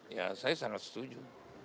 ya saya sangat setuju